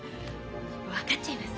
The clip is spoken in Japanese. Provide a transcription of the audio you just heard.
分かっちゃいます？